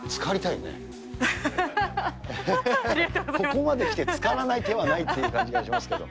ここまできてつからない手はないという感じがしますけど。